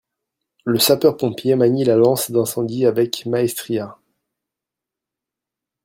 Le sapeur pompier manie la lance d'incendie avec maestria